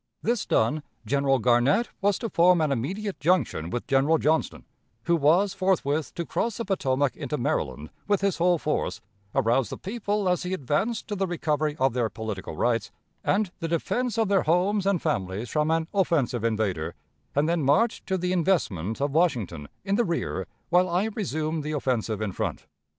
This done, General Garnett was to form an immediate junction with General Johnston, who was forthwith to cross the Potomac into Maryland with his whole force, arouse the people as he advanced to the recovery of their political rights, and the defense of their homes and families from an offensive invader, and then march to the investment of Washington, in the rear, while I resumed the offensive in front.